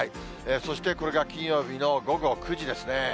そしてこれが金曜日の午後９時ですね。